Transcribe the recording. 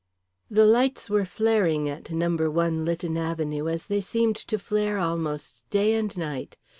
The lights were flaring at No. 1 Lytton Avenue, as they seemed to flare almost day and night.